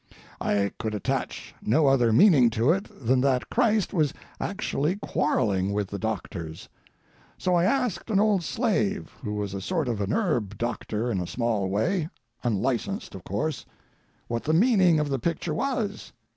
I could attach no other meaning to it than that Christ was actually quarreling with the doctors. So I asked an old slave, who was a sort of a herb doctor in a small way—unlicensed, of course—what the meaning of the picture was.